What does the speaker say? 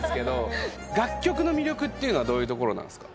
楽曲の魅力っていうのはどういうところなんですか？